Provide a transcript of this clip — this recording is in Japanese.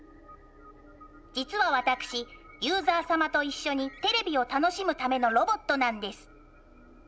実は私ユーザー様と一緒にテレビを楽しむためのロボットなんです。